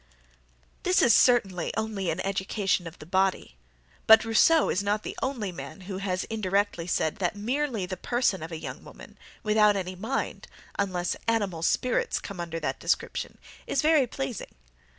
This is certainly only an education of the body; but Rousseau is not the only man who has indirectly said that merely the person of a young woman, without any mind, unless animal spirits come under that description, is very pleasing.